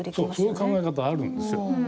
その考え方あるんですよ。